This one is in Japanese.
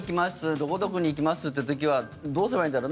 どこどこに行きますという時はどうすればいいんだろう。